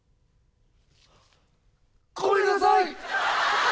ごめんなさい！